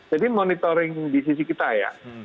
jadi monitoring di sisi kita ya